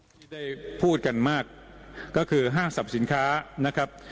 ที่ได้พูดกันมากก็คือห้างสรรพสินค้านะครับ